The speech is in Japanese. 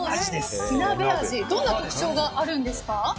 どんな特徴があるんですか。